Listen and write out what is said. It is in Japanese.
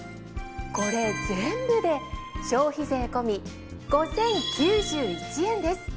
これ全部で消費税込み５，０９１円です。